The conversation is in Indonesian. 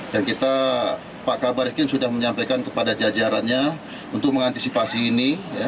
dan kita pak kabaris krim sudah menyampaikan kepada jajarannya untuk mengantisipasi ini